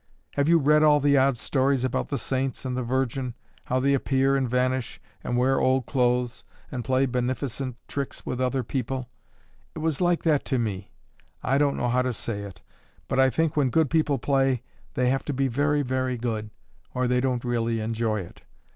Have you read all the odd stories about the saints and the Virgin how they appear and vanish, and wear odd clothes, and play beneficent tricks with people? It was like that to me. I don't know how to say it, but I think when good people play, they have to be very, very good, or they don't really enjoy it.